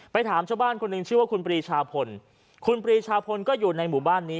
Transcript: ถามชาวบ้านคนหนึ่งชื่อว่าคุณปรีชาพลคุณปรีชาพลก็อยู่ในหมู่บ้านนี้